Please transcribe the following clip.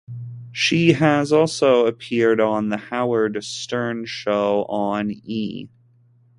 She has also appeared on "The Howard Stern Show" on E!